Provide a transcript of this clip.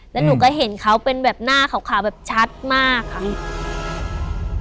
แล้วหนูก็เห็นเขาเป็นแบบหน้าขาวแบบชัดมากค่ะ